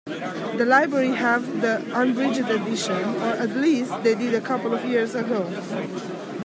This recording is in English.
The library have the unabridged edition, or at least they did a couple of years ago.